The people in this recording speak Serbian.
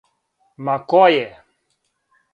Ма ко је?